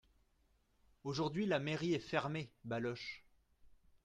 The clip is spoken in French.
Aujourd’hui, la mairie est fermée Baloche .